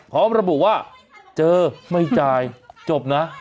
พร้อมระบุว่าเจอไม่จ่ายจบนะ